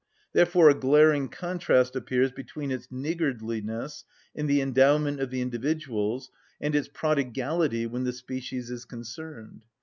Therefore a glaring contrast appears between its niggardliness in the endowment of the individuals and its prodigality when the species is concerned.